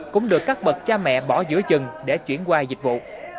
cũng được các bậc cha mẹ bỏ giữa chừng để chuyển qua dịch vụ